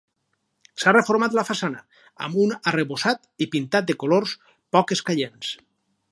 S'ha reformat la façana, amb un arrebossat i pintat de colors poc escaients.